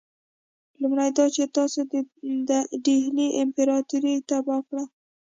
لومړی دا چې تاسي د ډهلي امپراطوري تباه کړه.